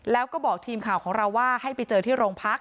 แล้วก็บอกทีมข่าวของเราว่าให้ไปเจอที่โรงพัก